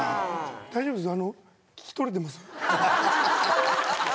大丈夫です？